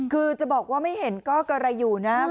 คือจะบอกว่าไม่เห็นก็กระไรอยู่นะ